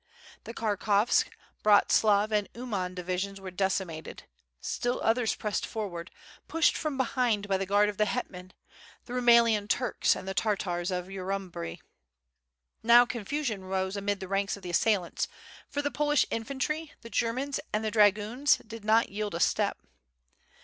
The Karkovsk, Bratslav and Uman divisions were decimated — still others pressed forward, pushed from behind by the guard of the hetman, the Ru melian Turks and Tartars of Urumbey. Now confusion rose amid the ranks of the assailants, for the Polish infantry, the Germans, and the dragoons did not yield a step.